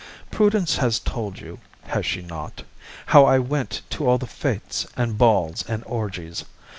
Prudence has told you (has she not?) how I went to all the fêtes and balls and orgies.